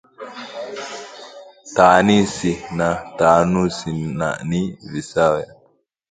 Taanisi na taanusi ni visawe